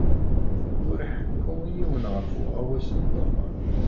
Ur ḥekku i yiwen ɣef uɣawas-nteɣ.